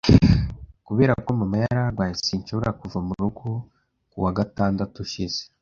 Kubera ko mama yari arwaye, sinshobora kuva mu rugo ku wa gatandatu ushize.